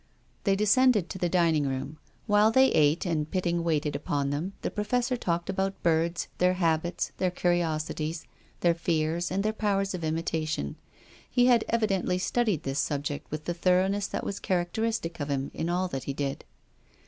They descended to the dining room. While they ate and Pitting waited upon them, the Pro fessor talked about birds, their habits, their curiosities, their fears and their powers of imita tion. He had evidently studied this subject with the thoroughness that was characteristic of him in all that he did.